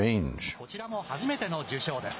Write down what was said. こちらも初めての受賞です。